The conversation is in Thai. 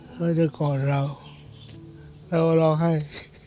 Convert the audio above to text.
เขาจะกอดเราแล้วเราให้